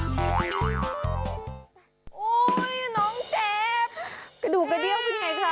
โอ้โหน้องเจ๊บกระดูกกระเดี้ยวเป็นไงคะ